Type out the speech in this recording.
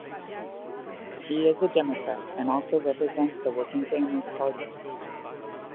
He is a Democrat and also represents the Working Families Party.